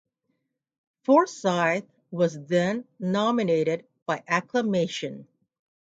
Forsyth was then nominated by acclamation.